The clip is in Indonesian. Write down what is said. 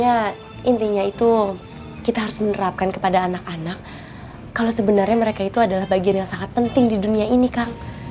ya intinya itu kita harus menerapkan kepada anak anak kalau sebenarnya mereka itu adalah bagian yang sangat penting di dunia ini kang